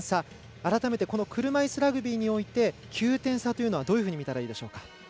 改めて車いすラグビーにおいて９点差というのはどういうふうに見たらいいですか。